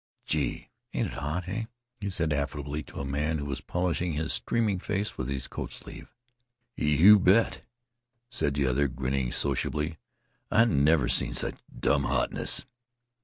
"Gee! ain't it hot, hey?" he said affably to a man who was polishing his streaming face with his coat sleeves. "You bet!" said the other, grinning sociably. "I never seen sech dumb hotness."